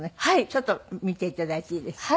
ちょっと見て頂いていいですか？